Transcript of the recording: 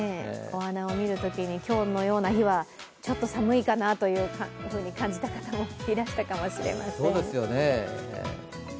お花を見るときに今日のような日は、ちょっと寒いかなと感じた方もいるかもしれません。